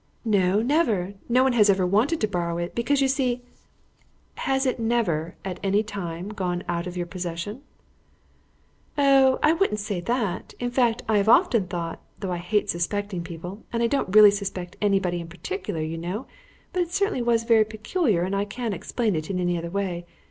"No, never. No one has ever wanted to borrow it, because, you see " "Has it never, at any time, gone out of your possession?" "Oh, I wouldn't say that; in fact, I have often thought, though I hate suspecting people, and I really don't suspect anybody in particular, you know, but it certainly was very peculiar and I can't explain it in any other way.